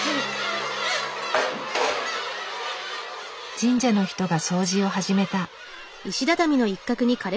神社の人が掃除を始めた。